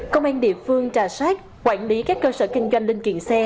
công an địa phương trà sát quản lý các cơ sở kinh doanh linh kiện xe